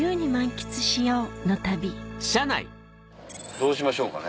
どうしましょうかね？